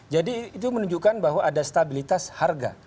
jadi itu menunjukkan bahwa ada stabilitas harga